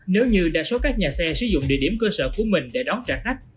nếu như đa số các nhà xe sử dụng địa điểm cơ sở của mình để đón trả khách